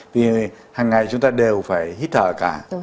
vì hàng ngày chúng ta đều phải hít thở cả